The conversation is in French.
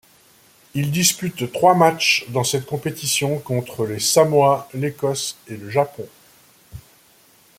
Il dispute trois matchs dans cette compétition contre les Samoa, l'Écosse et le Japon.